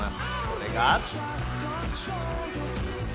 それが。